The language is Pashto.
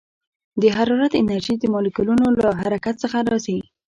د حرارت انرژي د مالیکولونو له حرکت څخه راځي.